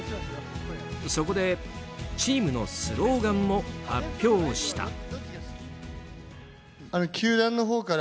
そこでチームのスローガンを発表した。